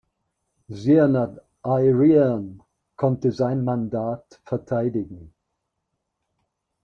Seanad Éireann konnte er sein Mandat verteidigen.